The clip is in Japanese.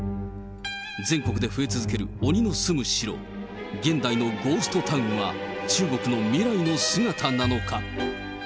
全国で増え続ける鬼の住む城、現代のゴーストタウンは、中国の未来の姿なのか。